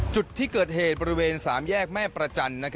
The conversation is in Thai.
จุดที่เกิดเหตุบริเวณ๓แยกแม่ประจันทร์